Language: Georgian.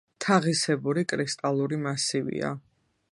თაღისებური კრისტალური მასივია.